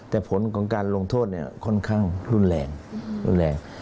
แต่ผลของการลงโทษค่อนข้างรุนแรง